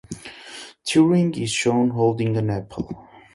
Turing is shown holding an apple.